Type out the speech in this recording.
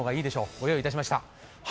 ご用意いたしました。